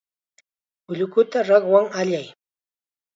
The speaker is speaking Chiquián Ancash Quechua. Ullukuta rakwan allay.